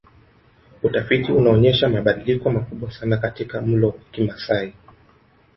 Utafiti unaonyesha mabadiliko makubwa sana katika mlo wa Kimasai